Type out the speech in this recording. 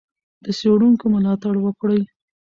د څېړونکو ملاتړ وکړئ.